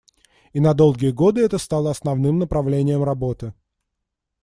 И на долгие годы это стало основным направлением работы.